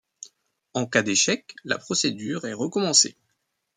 En cas d'échec, la procédure est recommencée.